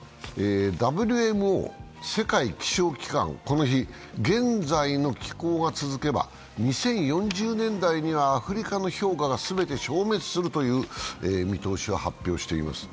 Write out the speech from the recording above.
ＷＭＯ＝世界気象機関、この日、現在の気候が続けば２０４０年代にはアフリカの氷河が全て消滅するという見通しを発表しています。